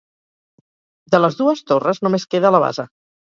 De les dues torres només queda la base.